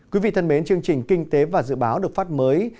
quý vị thân mến chương trình kinh tế và dự báo được phát mới